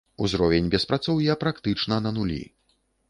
Узровень беспрацоўя практычна на нулі.